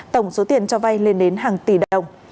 tổng số tiền cho vay lên đến hàng tỷ đồng